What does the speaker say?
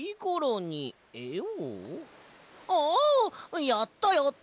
ああやったやった！